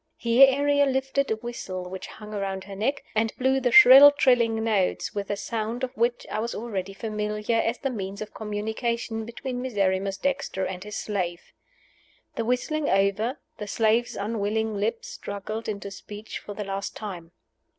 Here Ariel lifted a whistle which hung around her neck, and blew the shrill trilling notes with the sound of which I was already familiar as the means of communication between Miserrimus Dexter and his slave. The whistling over, the slave's unwilling lips struggled into speech for the last time.